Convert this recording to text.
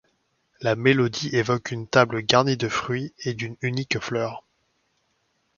La mélodie évoque une table garnie de fruits et d'une unique fleur.